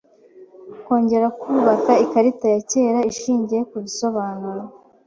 Kongera kubaka ikarita ya kera ishingiye ku bisobanuro